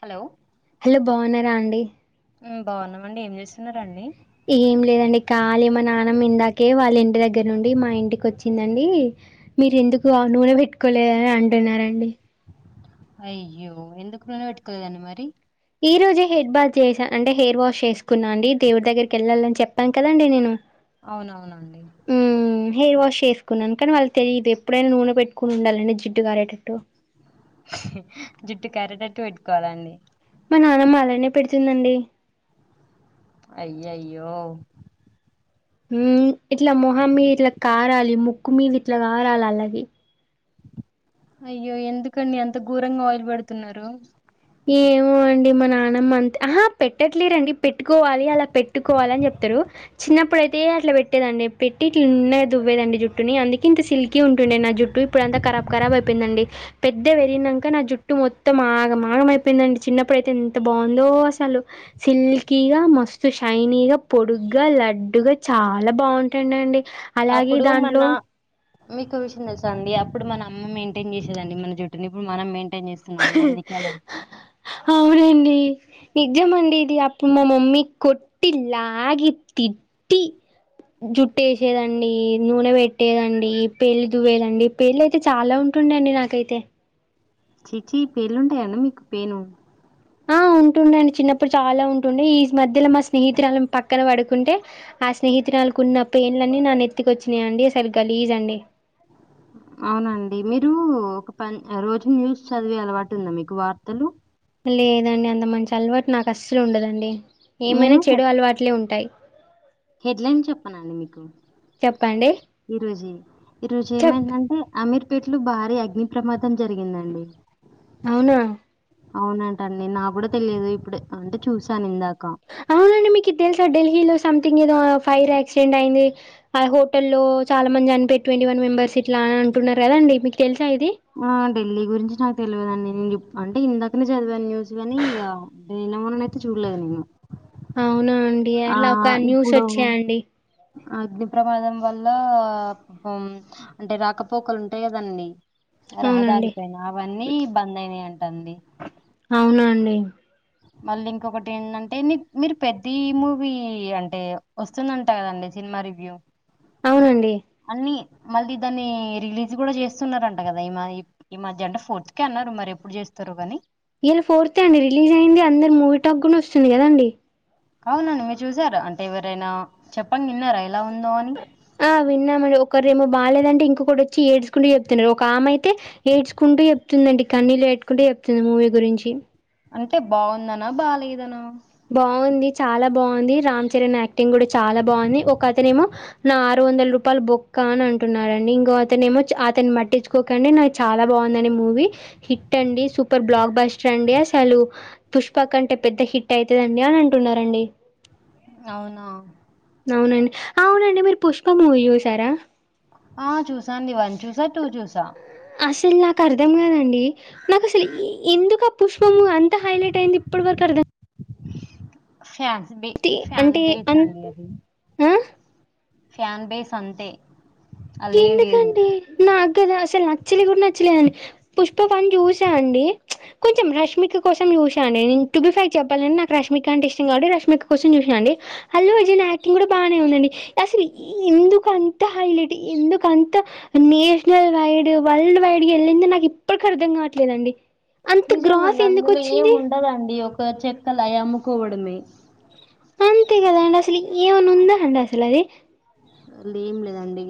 Hello hello బాగున్నారా అండి ఆ బాగున్నామండి ఏం చేస్తున్నారండి కాళీ మా నాన్న ఇందాకే వాళ్ళ ఇంటి దగ్గర నుండి మా ఇంటికి వచ్చిందండి మీరు ఎందుకు నూనె పెట్టుకోలేదని అంటున్నారండి అయ్యో ఎందుకు నూనె పెట్టుకోలేదండి మరీ ఈ రోజే హెడ్ బాత్ చేసా అంటే హెయిర్ వాష్ చేసుకున్నా అండి దేవుడి దగ్గరికి వెళ్ళాలని చెప్పాను కదండి నేను అవునవునండి మ్మ్ హెయిర్ వాష్ చేసుకున్నాను కానీ వాళ్ళు తెలియదు ఎప్పుడైనా నూనె పెట్టుకుని ఉండాలండి జిడ్డు గారేటట్టు జిడ్డు కారేటట్టు పెట్టుకోవాలండి మా నానమ్మ అలానే పెడుతుందండి అయ్యయ్యో హ్మ్ ఇట్లా మొహం మీద ఇట్లా కారాలి ముక్కు మీద ఇట్లా కారాలి ఆళ్లకి అయ్యో ఎందుకండి అంత ఘోరంగా ఆయిలు పెడుతున్నారు ఏమో అండి మా నానమ్మ అంతే ఆహా పెట్టట్లేరండి పెట్టుకోవాలి అలా పెట్టుకోవాలని చెప్తారు చిన్నప్పుడు అయితే అట్లా పెట్టేదండి పెట్టి ఇట్లా నున్నగా దువ్వేదండి జుట్టుని అందుకే ఇంత సిల్కి ఉంటుండే నా జుట్టు జుట్టు ఇప్పుడంతా ఖరాబ్ ఖరాబ్ అయిపోయిందండి పెద్ద పెరిగినంక నా జుట్టు మొత్తం ఆగమాగం ఆగమ్ అయిపోయిందండి చిన్నప్పుడుయితే ఎంత బాగుందో అసలు సిల్కీగా మస్తు షైనీగా పొడుగ్గా లడ్డుగా చాలా బాగుంటాండ అండి అలాగే అప్పుడు మన దాంట్లో మీకు విషయం తెలుస అండి అప్పుడు మన అమ్మ మెయింటైన్ చేసేదండి మన జట్టుని ఇప్పుడు మనం మెయిన్ హాహా అవునండి నిజం అండేది అప్పుడు మా మమ్మీ కొట్టి లాగి తిట్టి జుట్టేసేదండి నూనె పెట్టేదండి పేల్ దువ్వేదండి పేల్ అయితే చాలా ఉన్ టుండే అండి నాకైతే చీచీ ఈ పెళ్ళుంటాయ. అన్ డి మీకు పేను ఆ వు ఉంటుండే అండి చిన్నప్పుడు చాలా ఉంటుండే ఈ మధ్యలో మా స్నేహితురాలు పక్కన పడుకుంటే ఆ స్నేహితురా తనకు ఉన్న పేలు అన్నీ నా నెత్తికొచ్చినాయండి అసలు గలీజ్ అండి అవునండి మీరు ఒక ప రోజు న్యూస్ చదివే అలవాటు ఉందా మీకు వార్తలు లేదండి అంత మంచి అలవాటు నాకు అస్సలు ఉండదండి నేను ఏమైనా చెడు హెడ్ అలవాట్లే ఉంటాయి హెడ్లైన్ చెప్పన అండి మీకు చెప్పండి ఈ రోజు ఈరోజు చెప్ ఏమైందంటే అమీర్ పేట్లు భారీ అగ్ని ప్రమాదం జరిగిందండి అవునా అవునంటండి నా కూడా తెలియదు ఇప్పుడు అంటే చూశాను ఇందాక అవునండి మీకు ఇది తెల్సా ఢిల్లీలో సంథింగ్ ఏదో ఫైర్ యాక్సిడెంట్ అయింది ఆ హోట లో చాలా మంది చనిపారు ట్వంటీ వన్ మెంబెర్స్ ఇట్లా అని అంటున్నారు కదాండి మీకు తెలిసి ఆ ఢిల్లీ గురించి నాకు తెలియదండి నేను అంటే ఇందాకనే చదివాను న్యూస్ గాని ఇక నిన్న మొన్న అయితే చూడలేదు నేను అవునండి ఆ! అలా ఒక న్యూస్ ఇప్పుడు వచ్చేయండి అగ్ని ప్రమాదం వల్ల అంటే రాకపోకలు ఉంటాయి కదండి అవునండి రహదారి పైన అవన్నీ బంద్ అయినాయండి అవునండి మళ్ళీ ఇంకొకటి ఏంటంటే నీ మీరు పెద్ది మూవీ అంటే వస్తుందంట కదండి సినిమా రివ్యూ అవునండి అన్ని మళ్ళీ దాన్ని రిలీజ్ కూడా చేస్తున్నారంట కదా ఈ ఈ మధ్య అంట ఫోర్త్ కే అన్నారు మరి ఎప్పుడు చేస్తు తురో గాని ఇయల ఫోర్త్ ఏ అండి రిలీజ్ అయింది అందరు మూవీ టాక్ గూన వస్తుంది కదండి అవునండి మీరు చూసారా అంటే ఎవరైనా చెప్పంగా విన్నారా ఎలా ఉందో అని ఆ విన్నామండి ఒకరుేమో బాగాలేదంటే ఇంకొకడోచ్చి ఏడ్చుకుంటూ చెప్తున్నారు ఒక ఆమె అయితే ఏడ్చుకుం కుంట చెప్తుందండి కన్నీలు వెటుకుంట చెప్తుంది మూవీ గురించి అంటే బాగుందనా బాలేదనా బాగుంది చాలా బాగుంది రామ్ చరణ్ యాక్టింగ్ కూడా చాలా బాగుంది ఒక అతనేమో నా వందల రూపాయలు బొక్క అని అంటున్నారండి ఇంకో అతనే ఏమో అతన్ని మట్టించుకోకండి నాకు చాలా బాగుందని మూవీ హిట్ అండి సూపర్ బ్లాక్ బస్టర్ అండి అసలు పుష్పక్ అంటే పెద్ద హిట్ ట్ అయితదండి అని అంటున్నారండి అవునా అవునండి అవునండి మీరు పుష్ప మూవీ చూసారా ఆ చూసాండి వన్ చూసా టూ చూసా అర్థం కదండి నాకు అసలు ఏ ఎందుకో ఆ పుష్పము అంత హైలైట్ అయింది ఇప్పటి వరకు అర్థం ఫ్యాన్ బే టె అంటే బేస్ అంటే అండి అది ఆ ఫ్యాన్ బేస్ అంతే అల్లేం లేదు ఎందుకండి నాక్ అసలు నచ్చలే కూడా నచ్చలేదండి పుష్ప పని చూసా అండి కొంచెం రష్మిక కోసం చూసడి నూ బి ఫైవ్ [unintelligible] చెప్పాల నాకు రష్మిక అంట ఇష్టం కా రష్మిక కోసం చూాం అల్లుజ యాక్టింగ్ కూడా బాగానే ఉందండి అసలు ఎందుకు అంత హైలైట్ ఎందుక అంతా నేషనల్ వైడ్ వరల్డ్ వైడ్ గా వెళ్ళింది నాకు ఇప్పటికి అర్థం కావట్లేదండి అంత గ్రాఫ్ నిజంగాండి ఎందుకు అందులో ఏం వచ్చింది ఉండదండి ఒక చెక్కలు అయ్యి అమ్ముకోవడమే అంతే కదా అండి అసలు ఏమన్న ఉంద అండి అసలు అది ఏం లేదండి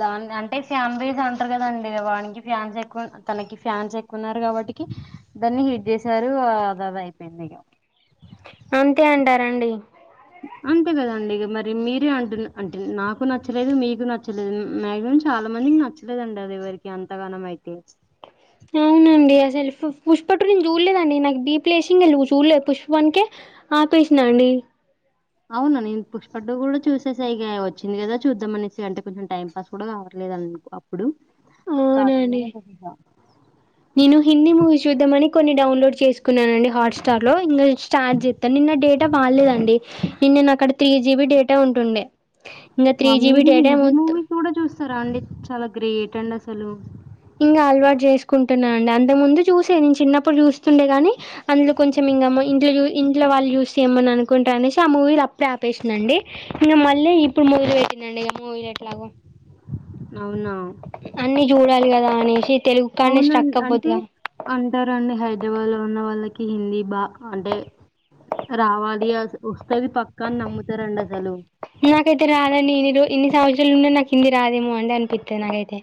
దా అంటే ఫాంలీస్ అంటారు కదండి వానికి ఫ్యాన్స్ ఎక్కువ తనకి ఫ్యాన్స్ ఎక్కున్నారు కాబట్టికి దాన్ని హి ట్ చేసారు అద అద అయిపోయింది ఇక అంతే అంటారండి అంతే కదండి ఇగ మరి మీరే అంటు అంటే నాకు నచ్చలేదు మీకు నచ్చలేదు మాగ్సుమమ్ చాల చాలా మందికి నచ్చలేదంట అది ఎవరికి అంతగానం అయితే అవునండి అసలు పుష్ప టు నేను చూడలేదండి నాకు ీ [unintelligible] ప లేేసింగ్ క్వు చూడలేదు పుష్పనికే ఆపేసిన అండి అవునా నేను పుష్ప టు కూడా చూసేసైగా వచ్చింది కదా చూద్దాంమనేసి అంటే కొంచం టైం పాస్ కూడా కావట్లేదు లేదు అప్పుడు అవునండి కావట్లేదని చూసేసా నేను హిందీ మూవీస్ చూద్దామని కొన్ని డౌన్లోడ్ చేసుకున్నానండి హాట్స్టార్ లో ఇంకా స్టార్ట్ చేస్తాను నిన్న డేటా బాలేదండి నిన్న నా కాడ త్రీ జీబి డేటా ఉంటుండే ఇంకా త్రీ వామ్మో జీబీ మీరు డేటా హిందీ మొత్తం మూవీస్ కూడా చూస్తారా అండి చాలా గ్రేట్ అండి అసలు ఇంగ అలవాటు చేసుకుంటున్నానండి అంతకు ముందు చూసే నేను చిన్నప్పుడు చూస్తుండే గాని అందులో కొంచెం ఇ ఇం ఇంట్ వాళ్ళు చూ చేయమ్మని అనుకుంటారు అనేసి ఆ మూవీలు అప్పుడే ఆపేసినండి ఇంకా మళ్ళీ [unintelligible] ఇప్పుడు మొదలు పెట్టి నండి ఇగ మూవీలు ఎట్లాగో అవునా అన్ని చూడాలి కదా అనేసి తెలుగు కానే అవునండి స్ట్రక్ అంటే అవ్వద్దుగా అంటారండి హైదరాబాద్ లో ఉన్న వాళ్ళకి కి హిందీ బా అంటే రావాలి అది వస్తది పక్కని నమ్ముతారండి అసలు నాకైతే రాదండి ఎన్ని ఎన్ని సంవత్సరాలుండే నాకు హింది రాదేమో అంటే అనిపిస్తది నాకైతే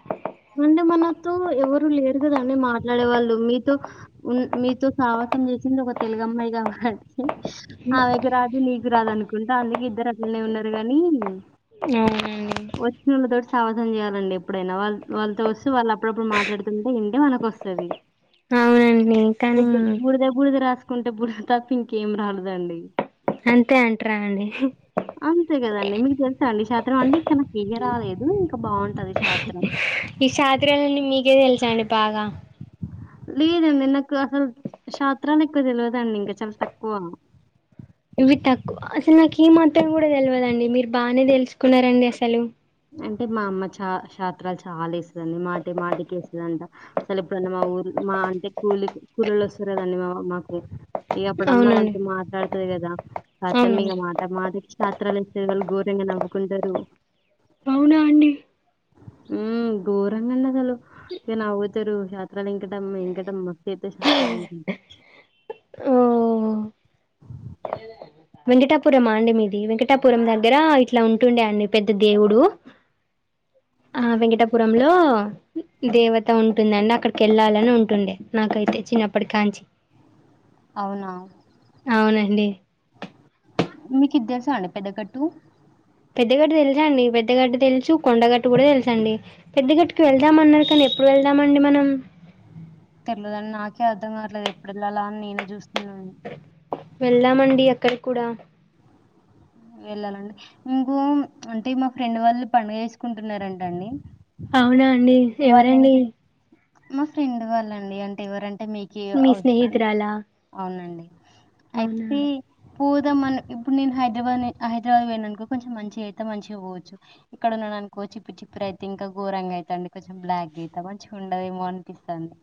అంటే మనతో ఎవరు లేరు కదండి మాట్లాడే వాళ్ళు మీతో ఉన్ మీతో సా సం చేసింది ఒక తెలుగమ్మాయి గా ఆమెకు రాదు నీకు రాదు అనుకుంట అందుకే ఇద్దరు అట్లనే ఉన్నారు కానీ అవునండి వచ్చినళ్ళతోటి సావాసం చేయాలండి ఎప్పుడైనా వాళ్ళు వాళ్ళతో వస్తే వాళ్ళ అప్పుడప్పుడు మాట్లాడుతుంటే వింటే మనకు వస్తది కానీ కానీ బుడిద రాసుకుంటే బుడిద తప్ప ఇంకేం రాలేదండి అంతే అంటార అండి అంతే కదండి మీకు తెలుసాండి ఈ షాత్రం అండి ఇంకా నాకు ఇయ రాలేదు. ఇంకా బాగుంటది షాత్రం ఈ షాత్రాలన్నీ మీకే తెలుసండి బాగా లేదండి నాకు అసలు షాత్రాలు ఎక్కువ తెలవదండి. ఇంకా చాలా తక్కువ ఇవి తక్కువ అసలు నాకు ఈ మాత్రం కూడా తెలివదండి మీరు బాగానే తెలుసుకున్నారండి. అసలు అంటే మా అమ్మ చా చాత్రాలు చాలా వేసే దండి మాటి మాటికి వేస్తదంట అసలు ఎప్పుడన్నా మా ఊర్ మా అంటే కూలి కూలీలు వస్తారు కదా అండి మా మాకు ఇగ అప్పుడు అమ్మ అవునండి వాళ్ళతో మాట్లాడతది కదా కథం ఇగ అవునండి మాట మాట షాత్రాలు వేస్తే వాళ్ళు ఘోరంగా నవ్వుకుంటారు అవునా అండి ఉ గొరంగాన్న వాళ్ళు [unintelligible] ఇగా నావ్వుతారు శాశ్రాలవెంకటమ్మ వెంకటమ్మ పెద్ద శాస్త [unintelligible] మ్ వెంకటాపురం అండి మాది వెంకటాపురం దగ్గర ఇట్లా ఉంటుండే అండి పెద్ద దేవుడు [inaudible] ఆ వెంకటాపురంలో దేవత ఉంటుందండి అక్కడికి వెళ్ళాలని ఉంటుండే నాకైతే చిన్నప్పటి కాంచి అవునా అవునండి మీకి ఇది తెలుస అండి పెద్ద గట్టు పెద్ద గడ్టు తెలుస అండి పెద్ద గడ్టు తెలుసు కొండగట్టు కూడా తెలుసండి పెద్ద గట్టుకి వెళ్దామ అన్నారు కానీ ఎప్పుడు వెళ్దామండి మనం తెలియదు అండి నాకే అర్థం కావట్లేదు ఎప్పుడు వెళ్ళాలా అని నేనే చూస్తున్నాను వెళ్దామండి అక్కడికి కూడా వెళ్ళాలండి ఇంకో అంటే మా ఫ్రెండ్ వాళ్ళు పండగ చేసుకుంటున్నారంట అండి అవునా అండి ఎవరండి మీ ఫ్రెండ్ వాళ్ళండి అంటే ఎవరంటే మీకు మీ అ స్నేహితురాలా అవునండి అయితే అవునా పోదామని ఇప్పుడు నేను హైదరాబాద్ హైదరాబాద్ పోయినానుకో కొంచెం మంచిగా అయితే మంచిగా పోవచ్చు ఇక్కడ నా అనుకో చిప్పు చిప్పుర అయితే ఇంకా గోరంగా అయితండి కొంచెం బ్లాక్ అయిత మంచిగా ఉండదేమో అనిపిస్తుంది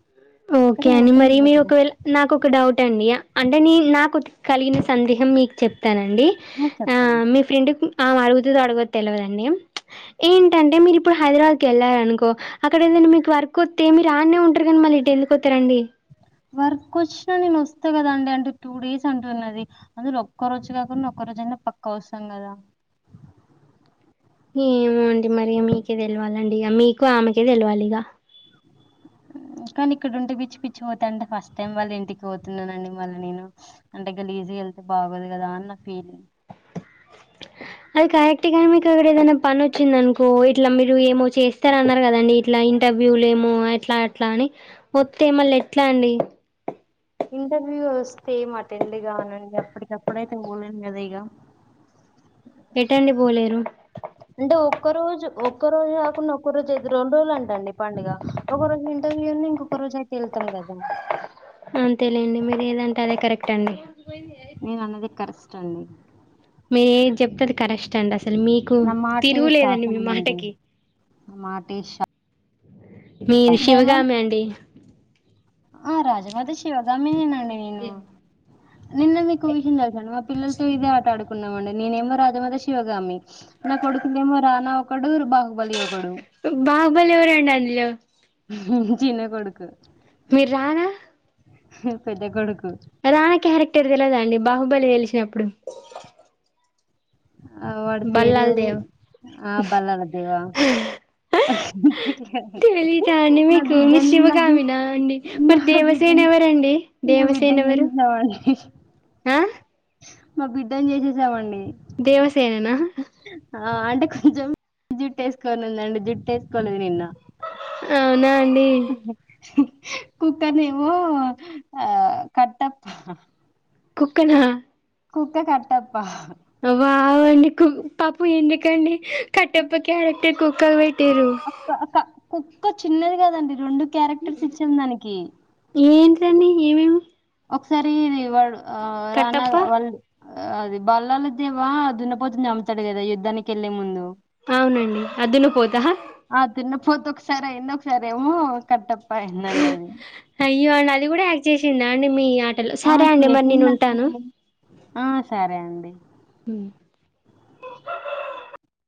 ఓకే అని మరి మీరు ఒకవేళ నాకు ఒక డౌట్ అండి అంటే నే నాకు కలిగిన సందేహం మీకు చెప్తానండి ఆ మీ ఫ్రెండ్ కి ఆమే అడుగుతుంది ఎవరో తెలువడంది ఏంటంటే మీరు ఇప్పుడు హైదరాబాద్ కి వెళ్లారనుకో అక్కడ ఏదంటే మీకు వర్క్ కొత్తే మీరాన్నే ఉంటారు కానీ నీ మళ్ళీ ఇటు ఎందుకు ఆతారండి వర్క్ వచ్చినా నేను వస్తా కదా అండి అంటే టూ డేస్ అంటున్నది అందులో ఒక్క రోజు కాకుండా ఒక్క రోజు ఎన్న పక్క వస్తాం కదా [inaudible] ఏమో అండి మరి మీకే తెలవాలండి ఇక మీకు ఆమెకే తెలివాలి ఇగ మ్ కానీ ఇక్కడ ఉంటే పిచ్చి పిచ్చి పోతా అంటే ఫస్ట్ టైమ్ వాళ్ళ ఇంటికి పోతున్నానండి మళ్ళీ నేను అంటే గలీజ్ వెళ్తే బాగోదు కదా అని నా ఫీలింగ్ అది కరెక్ట్ గానీ మీకు ఎక్కడ ఏదైనా పని వచ్చిందనుకో ఇట్లా మీరు ఏమో చేస్తా అన్నారు కదండి ఇట్లా ఇంటర్వ్యూలుమో ఎట్లా ఎట్లా అని వస్తే మళ్ళీ ఎట్లా అండి ఇంటర్వ్యూ వస్తే ఏం అటెండ్ కానండి అప్పటికప్పుడైతే లేదు కదా ఇక ఎటెల్లి పోలేరు అంటే ఒక్క రోజు ఒక్క రోజు కాకుండా ఒక్క రోజు ఐతే రెండు రోజులు అంటండి పండుగ ఒక రోజు ఇంటర్వ్యూ వుంది ఇంకొక రోజు అయితే వెళ్తాం కదా అంతే లెండి మీరు ఏదంటే అదే కరెక్ట్ అండి అన్ని మీరు ఏది చెప్తే అది కరెస్ట్ అండి అసలు మీకు నా మాటే తిరుగులేదండి. మీ శాసనం అండి మాటకి నా మాటే శా మీరు ఈ డైలాగ్ శివగామి అండి ఆ రాజమత శివగామిినండి అయ్యో నిన్న మీకు విషయం తెలుసా అండి మా పిల్లలతో ఇదే ఆట ఆడుకు కున్నామండి నేనేమో రాజమాత శివగామి నా కొడుకులు ఏమో రానా ఒకడు బాహుబలి ఒకడు. బాహుబలి ఎవరండి అందులో చిీన్నె కొడుకు మీరు రానా పెద్ద కొడుకు రానా క్యారెక్టర్ తెలువదండి బాహుబలి తెలిసినప్పుడు ఆ వాడు పేరు బల్లాల్ దేవ్ ఆ బల్లల దేవా తెలీదా అండి నా మీకు మీ బిడ్డని నా శివగామినా అండి మరి దేవసేన బిడ్డను ఎవరండి నా దేవసేన బిడ్డని ఎవరు ఆ మా బిడ్డని చేసేసామండి దేవసేననా ఆ! అంటే కొంచెం జుట్టు వేసుకోను ఉందండి జుట్టు వేసుకోలేదు నిన్న అవునా అండి కుక్క నేమో ఆ కట్టప్ప కుక్కనా కుక్క కట్టప్పా వావ్వండి పాపం ఎందుకండి కట్టప్ప క్యారెక్టర్ కుక్కలు పెట్ టిరు అక్క- అక్క- కుక్క చిన్నది కదండి రెండు క్యారెక్టర్స్ ఇచ్చాం దానికి దాన్ని ఏమేమి ఒకసారి ఇది వాడు రానా కట్టప్ప వాళ్ళు అది బల్లలుద్దేవా దున్నపోతు చమ్ముతాడు కదా యుద్ధానికి వెళ్లే ముందు అవునండి అది దున్న పోతా పోతే ఒకసారి ఎందొ ఒకసారి ఏమో కట్టప్ప ఎందండి అది చేసిండా అండి మీ ఆ సరే అండి మరి నేను ఉంటాను చేసిందండి ఆ సరే అండి